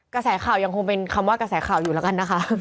กระแสข่าวยังคงเป็นคำว่ากระแสข่าวอยู่แล้วกันนะคะ